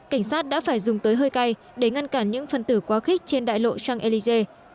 cảnh sát đã phải dùng tới hơi cay để ngăn cản những phần tử quá khích trên đại lộ champ élysée